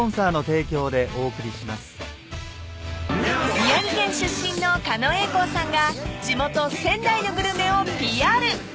［宮城県出身の狩野英孝さんが地元仙台のグルメをＰＲ］